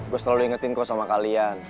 gue selalu ingetin kok sama kalian